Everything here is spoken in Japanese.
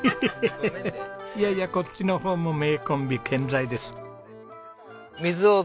ヘヘヘいやいやこっちの方も名コンビ健在です。